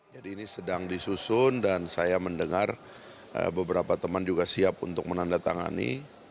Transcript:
jadi ini sedang disusun dan saya mendengar beberapa teman juga siap untuk menandatangani